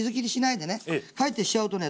かえってしちゃうとね